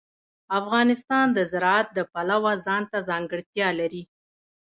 افغانستان د زراعت د پلوه ځانته ځانګړتیا لري.